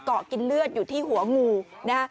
มันเลือดอยู่ที่หัวงูนะ